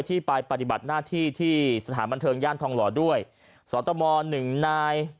ที่ไปปฏิบัติหน้าที่ที่สถานบันเทิงย่านทองหล่อด้วยสตมหนึ่งนาย